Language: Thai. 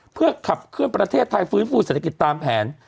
เพื่อขับเคลื่อนประเทศทัยฟื้นฟุตศัศนาคติศติตามแผน